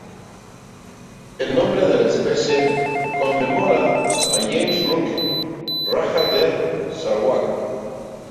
El nombre de la especie conmemora a James Brooke, rajá de Sarawak.